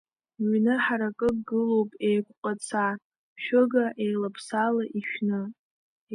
Ҩны ҳаракык гылоуп еиқәҟаца, шәыга еилаԥсала ишәны.